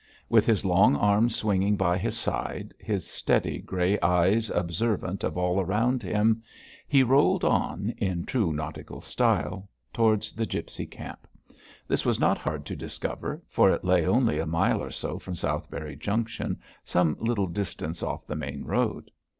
With his long arms swinging by his side, his steady, grey eyes observant of all around him, he rolled on, in true nautical style, towards the gipsy camp. This was not hard to discover, for it lay only a mile or so from Southberry Junction, some little distance off the main road.